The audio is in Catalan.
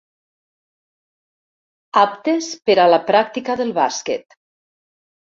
Aptes per a la pràctica del bàsquet.